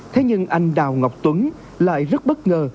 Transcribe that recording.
thế nhưng anh đào ngọc tuấn lại rất bất ngờ